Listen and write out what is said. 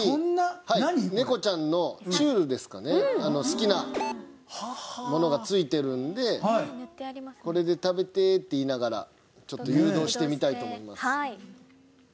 好きなものが付いてるんでこれで食べてって言いながらちょっと誘導してみたいと思います。